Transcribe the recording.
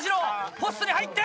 ポストに入って。